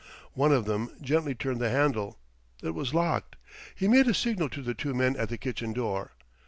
One of them gently turned the handle; it was locked. He made a signal to the two men at the kitchen door.